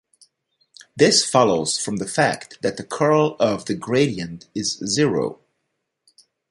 This follows from the fact that the curl of the gradient is zero.